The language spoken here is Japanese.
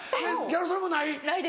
ギャル曽根もない？